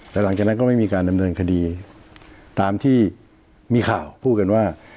แต่หลังจากนั้นก็ไม่มีการดำเนินคดีตามที่มีข่าวพูดกันว่า